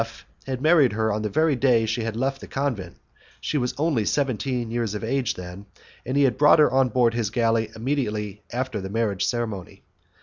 F had married her on the very day she had left the convent; she was only seventeen years of age then, and he had brought her on board his galley immediately after the marriage ceremony.